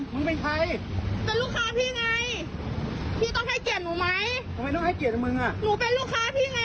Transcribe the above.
มึงเป็นลูกค้าพี่ไงคะ